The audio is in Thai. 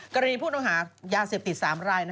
กรณีพวกตำหายาเสียบติด๓ราย